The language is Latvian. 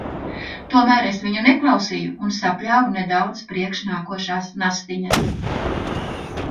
Tomēr es viņu neklausīju un sapļāvu nedaudz priekš nākošās nastiņas.